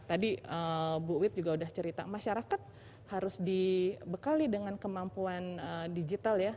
tadi bu wit juga sudah cerita masyarakat harus dibekali dengan kemampuan digital ya